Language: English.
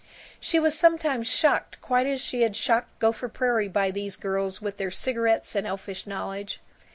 She was sometimes shocked quite as she had shocked Gopher Prairie by these girls with their cigarettes and elfish knowledge.